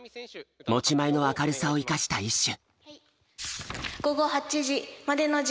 持ち前の明るさを生かした一首。